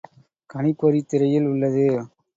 கணிப்பொறித் திரையில் உள்ளது.